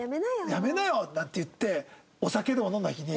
「やめなよ！」なんて言ってお酒でも飲んだ日に。